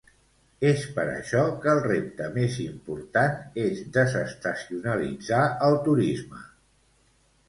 És per això que el repte més important és desestacionalitzar el turisme.